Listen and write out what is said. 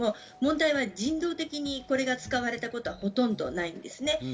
問題は人道的にこれが使われたことはほとんどないです。